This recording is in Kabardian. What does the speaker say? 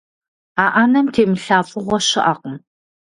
А ӏэнэм темылъа фӀыгъуэ щыӀэкъым.